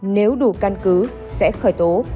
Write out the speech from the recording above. nếu đủ căn cứ sẽ khởi tố